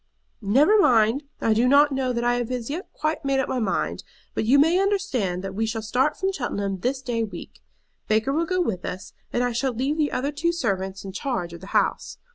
"Never mind. I do not know that I have as yet quite made up my mind. But you may understand that we shall start from Cheltenham this day week. Baker will go with us, and I shall leave the other two servants in charge of the house.